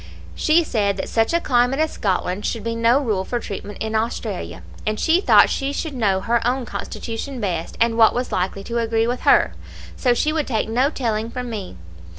She said that such a climate as Scotland should be no rule for treatment in Australia, and she thought she should know her own constitution best, and what was likely to agree with her; so she would take no telling from me.